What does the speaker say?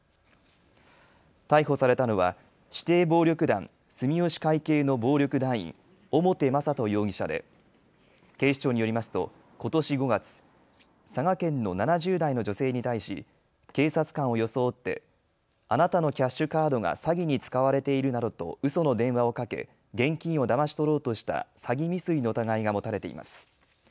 逮捕されたのは指定暴力団住吉会系の暴力団員、表雅人容疑者で警視庁によりますとことし５月、佐賀県の７０代の女性に対し警察官を装ってあなたのキャッシュカードが詐欺に使われているなどとうその電話をかけ現金をだまし取ろうとした詐欺未遂の疑いが持たれています。